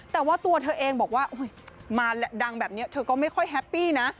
แต่ว่าตัวเธอเองบอกว่ามาดังแบบนี้เธอก็ไม่ค่อยแฮปปี้นะ